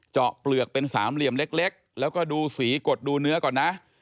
เปลือกเป็นสามเหลี่ยมเล็กแล้วก็ดูสีกดดูเนื้อก่อนนะ